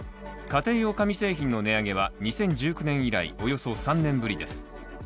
家庭用紙製品の値上げは２０１９年以来、およそ３年ぶりです。